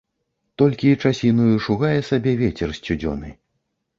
Толькі часінаю шугае сабе вецер сцюдзёны.